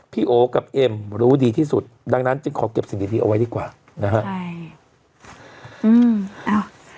พี่โอ๋กับเอ็มรู้ดีที่สุดดังนั้นขอเก็บสิ่งดีออกไว้ดีกว่านะฮะ